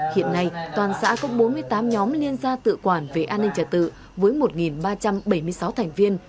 hiện nay toàn xã có bốn mươi tám nhóm liên gia tự quản về an ninh trả tự với một ba trăm bảy mươi sáu thành viên